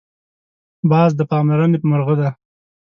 باز د پاملرنې مرغه دی